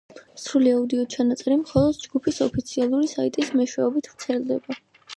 სრული აუდიო ჩანაწერი მხოლოდ ჯგუფის ოფიციალური საიტის მეშვეობით ვრცელდება.